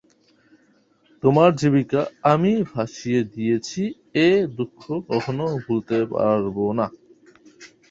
তোমার জীবিকা আমিই ভাসিয়ে দিয়েছি এ দুঃখ কখনো ভুলতে পারব না।